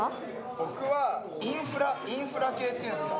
僕はインフラ系というんですか。